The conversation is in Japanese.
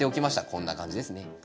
こんな感じですね。